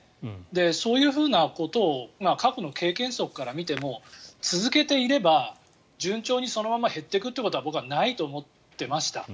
そういうことを過去の経験則から見ても続けていれば順調にそのまま減っていくことは僕はないと思っていました。